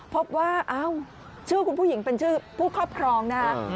พบว่าชื่อคุณผู้หญิงเป็นชื่อผู้ครอบครองนะฮะ